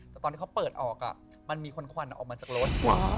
แต่ตอนที่เขาเปิดออกมันมีคนควันออกมาจากรถ